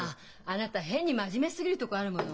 あなた変に真面目すぎるとこあるもの。